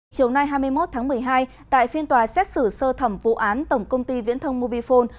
chiều nay hai mươi một tháng một mươi hai tại phiên tòa xét xử sơ thẩm vụ án tổng công ty viễn thông mobifone